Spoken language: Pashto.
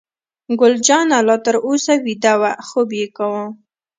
ګل جانه لا تر اوسه ویده وه، خوب یې کاوه.